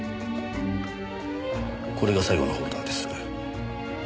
これが最後のフォルダです。